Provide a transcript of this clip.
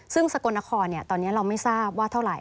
ซึ่งสกลนครตอนนี้เราไม่ทราบว่าเท่าไหร